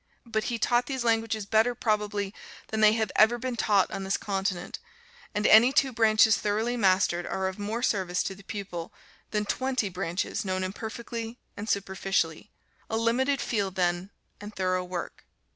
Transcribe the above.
But he taught these languages better probably than they have ever been taught on this continent; and any two branches thoroughly mastered are of more service to the pupil than twenty branches known imperfectly and superficially. A limited field, then, and thorough work.